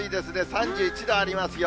３１度ありますよ。